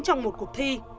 trong một cuộc thi